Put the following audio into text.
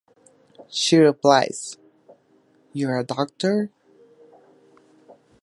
She replies, You're a doctor?